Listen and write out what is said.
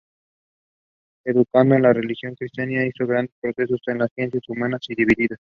Educado en la religión cristiana, hizo grandes progresos en las ciencias humanas y divinas.